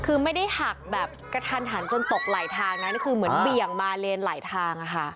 คือไม่ได้หักแบบกระทันหันจนตกไหลทางนะนี่คือเหมือนเบี่ยงมาเลนหลายทางอะค่ะ